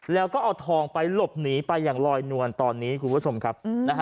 แล้วก็เอาทองไปหลบหนีไปอย่างลอยนวลตอนนี้คุณผู้ชมครับ